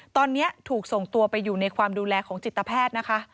ตอนนี้ถูกส่งตัวไปอยู่ในความดูแลของจิตแพทย์นะคะ